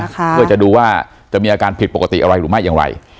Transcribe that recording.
เพื่อจะดูว่าจะมีอาการผิดปกติอะไรหรือไม่อย่างไร